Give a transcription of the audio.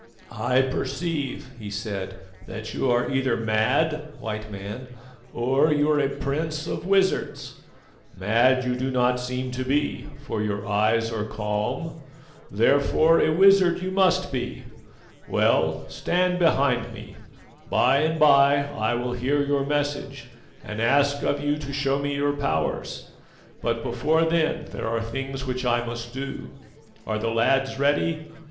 "I perceive," he said, "that you are either mad, White Man, or you are a prince of wizards. Mad you do not seem to be, for your eyes are calm, therefore a wizard you must be. Well, stand behind me: by and by I will hear your message and ask of you to show me your powers; but before then there are things which I must do. Are the lads ready?